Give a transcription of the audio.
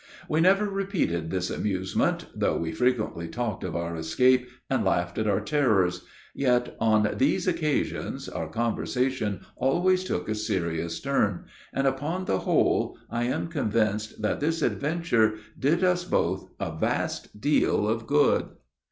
We never repeated this amusement, though we frequently talked of our escape and laughed at our terrors, yet, on these occasions, our conversation always took a serious turn; and, upon the whole, I am convinced that this adventure did us both a vast deal of good.